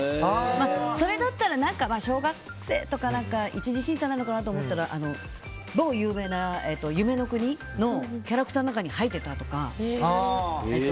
それだったら小学生とか１次審査なのかなと思ったら某有名な夢の国のキャラクターの中に入ってたとか。